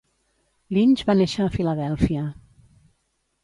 Lynch va néixer a Filadèlfia.